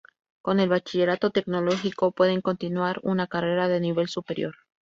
Con el bachillerato tecnológico pueden continuar una carrera de nivel superior.